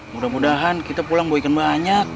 mudah mudahan kita pulang mau ikan banyak